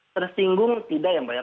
tersinggung tidak ya mbak